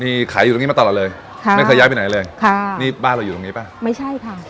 มีขายอยู่ตรงนี้มาตลอดเลยค่ะไม่เคยย้ายไปไหนเลยค่ะนี่บ้านเราอยู่ตรงนี้ป่ะไม่ใช่ค่ะ